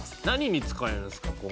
何に使えるんすか？